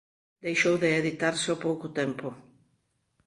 Deixou de editarse ao pouco tempo.